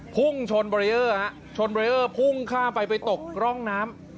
พุ่งชนเบรียร์มีพุ่งข้ามไปไปตกร่องน้ำ